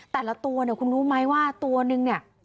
แต่ละตัวเนี่ยคุณรู้ไหมว่าตัวนึงเนี่ย